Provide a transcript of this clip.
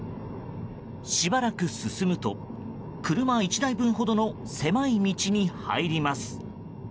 しばらく進むと、車１台分ほどの狭い道に入ります。